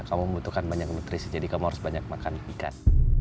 kamu membutuhkan banyak nutrisi jadi kamu harus banyak makan ikan